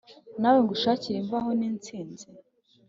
nawe ngushakire imvano n'intsinzi.